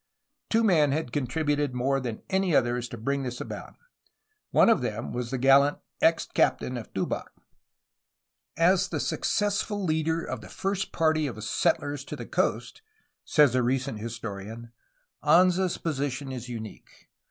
Two men had contributed more than any others to bring this about. One of them was the gallant ex captain of Tubac. "As the successful leader of the first party of settlers to the coast," says a recent historian, "Anza's position is unique.